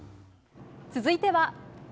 続いては。